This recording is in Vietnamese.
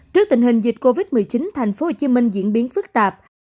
trước tình hình dịch covid một mươi chín thành phố hồ chí minh diễn biến phức tạp